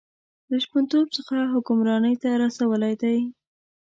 له شپونتوب څخه حکمرانۍ ته رسولی دی.